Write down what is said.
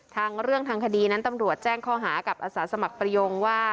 เรื่องทางคดีนั้นตำรวจแจ้งข้อหากับอาสาสมัครประยงว่า